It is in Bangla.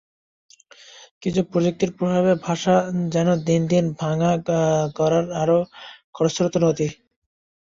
কিন্তু প্রযুক্তির প্রভাবে ভাষা যেন দিন দিন ভাঙা-গড়ার আরও খরস্রোতা নদী।